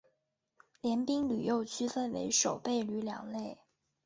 联兵旅又区分为守备旅两类。